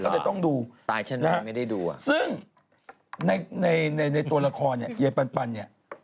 เราก็จะต้องดูนะซึ่งในตัวละครเนี่ยใบปันเนี่ย